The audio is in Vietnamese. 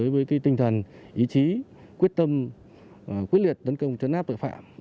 với tinh thần ý chí quyết tâm quyết liệt tấn công chấn áp tội phạm